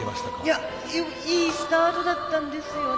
いやいいスタートだったんですよね。